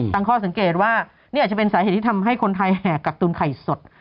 ตั้งข้อสังเกตว่านี่อาจจะเป็นสาเหตุที่ทำให้คนไทยแห่กักตุนไข่สด